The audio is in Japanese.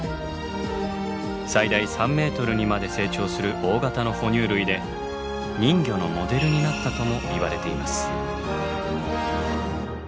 最大３ｍにまで成長する大型の哺乳類で人魚のモデルになったともいわれています。